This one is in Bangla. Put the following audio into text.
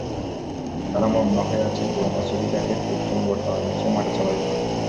তাঁরা মগ্ন হয়ে আছেন পুরোনো স্মৃতিটাকে প্রোজ্জ্বল বর্তমানের নিচে মাটিচাপা দিতে।